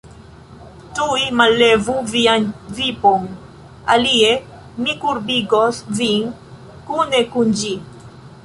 Tuj mallevu vian vipon, alie mi kurbigos vin kune kun ĝi!